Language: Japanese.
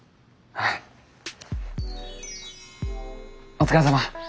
お疲れさま。